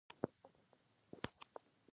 • د سفر وروسته، هر څوک په خپلو کورونو کښېناستل.